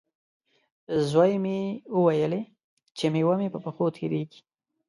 زوی مې وویلې، چې میوه مې په پښو تېرېږي.